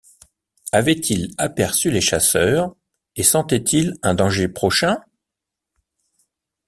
Avaient-ils aperçu les chasseurs et sentaient-ils un danger prochain?